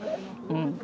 うん。